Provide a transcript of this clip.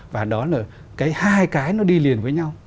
và đó là cái hai cái nó đi liền với nhau